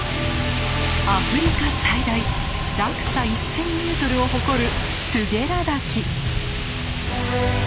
アフリカ最大落差１，０００ｍを誇るトゥゲラ滝。